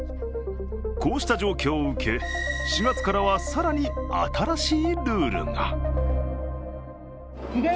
こうした状況を受け、４月からは更に新しいルールが。